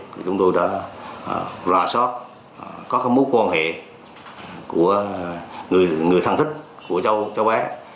thì chúng tôi đã ra sót có mối quan hệ của người thân thích của cháu bác